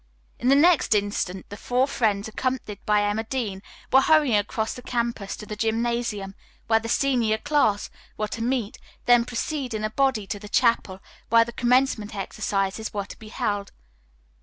In the next instant the four friends accompanied by Emma Dean were hurrying across the campus to the gymnasium, where the senior class were to meet, then proceed in a body to the chapel, where the commencement exercises were to be held.